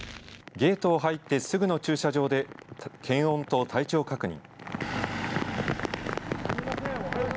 ゲートを入ってすぐの駐車場で検温と体調確認。